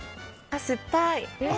あ、酸っぱい！